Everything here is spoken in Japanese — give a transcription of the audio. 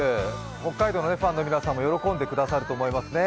北海道のファンの皆さんも喜んでくださると思いますね。